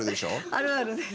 あるあるです。